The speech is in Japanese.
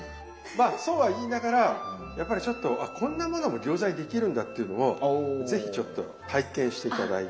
まあそうは言いながらやっぱりちょっと「あっこんなものも餃子にできるんだ」っていうのを是非ちょっと体験して頂いて。